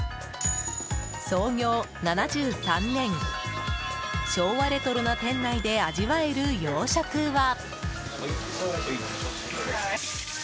創業７３年、昭和レトロな店内で味わえる洋食は。